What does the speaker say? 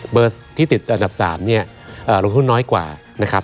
ที่ติดอันดับ๓เนี่ยลงทุนน้อยกว่านะครับ